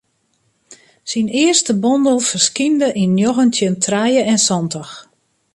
Syn earste bondel ferskynde yn njoggentjin trije en santich.